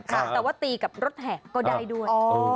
แต่ว่าตีกับรถแห่ก็ได้ด้วย